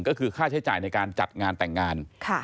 ก็คือค่าใช้จ่ายในการจัดงานแต่งงาน